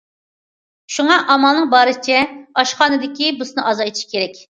شۇڭا ئامالنىڭ بارىچە ئاشخانىدىكى بۇسنى ئازايتىش كېرەك.